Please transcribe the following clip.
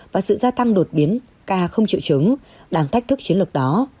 và sự gia tăng đột biến ca không triệu chứng đang thách thức chiến lược đó